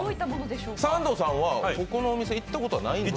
サンドさんは、このお店行ったことはないんですか？